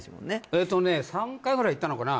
えとね３回ぐらい行ったのかな